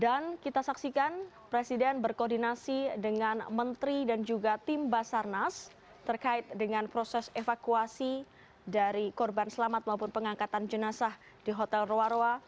dan kita saksikan presiden berkoordinasi dengan menteri dan juga tim basarnas terkait dengan proses evakuasi dari korban selamat maupun pengangkatan jenazah di hotel ruarua